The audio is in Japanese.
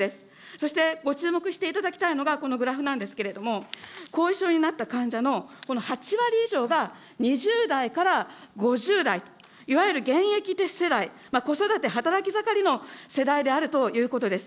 そして、ご注目していただきたいのが、このグラフなんですけれども、後遺症になった患者のこの８割以上が２０代から５０代、いわゆる現役世代、子育て働き盛りの世代であるということです。